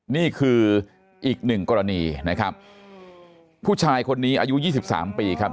นี่คืออีกหนึ่งกรณีนะครับผู้ชายคนนี้อายุยี่สิบสามปีครับ